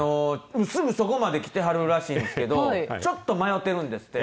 すぐそこまで来てはるらしいんですけど、ちょっと迷ってるんですって。